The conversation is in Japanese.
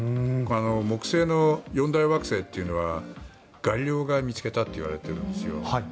木星の４大惑星というのはガリレオが見つけたといわれているんですよ。